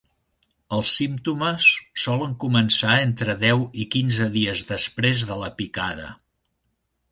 Els símptomes solen començar entre deu i quinze dies després de la picada.